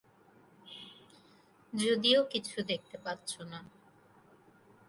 যদিও কিছু দেখতে পাচ্ছো না।